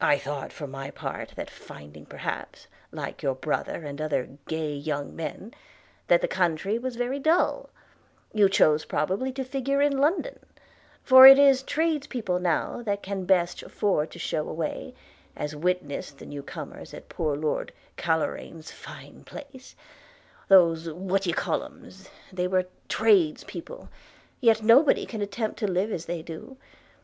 I thought, for my part, that finding perhaps, like your brother and other gay young men, that the country was very dull, you chose probably to figure in London; for it is trades people now that can best afford to shew away, as witness the new comers at poor Lord Carloraine's fine place – those what d'ye callums – they were trades people – yet nobody can attempt to live as they do.